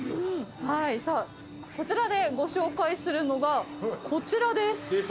はいさあこちらでご紹介するのがこちらです。